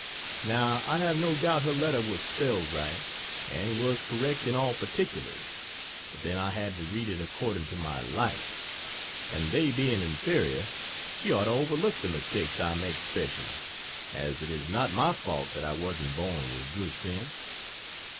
Now I have no doubt her letter was spelled right, and was correct in all particulars but then I had to read it according to my lights; and they being inferior, she ought to overlook the mistakes I make specially, as it is not my fault that I wasn't born with good sense.